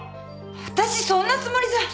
わたしそんなつもりじゃ！